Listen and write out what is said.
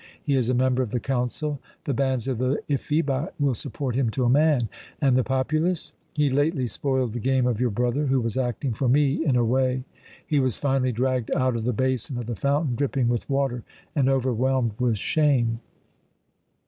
He is a member of the council. The bands of the Ephebi will support him to a man. And the populace? He lately spoiled the game of your brother, who was acting for me, in a way. He was finally dragged out of the basin of the fountain, dripping with water and overwhelmed with shame."